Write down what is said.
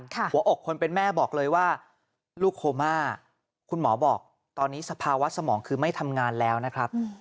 หัวอกคนเป็นแม่บอกเลยว่าลูกโคม่าคุณหมอบอกตอนนี้สภาวะสมองคือไม่ทำงานแล้วนะครับ